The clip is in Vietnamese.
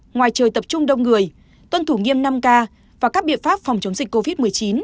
ngoài trời tập trung đông người tuân thủ nghiêm năm k và các biện pháp phòng chống dịch covid một mươi chín